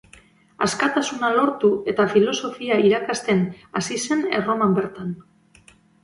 Askatasuna lortu eta filosofia irakasten hasi zen Erroman bertan.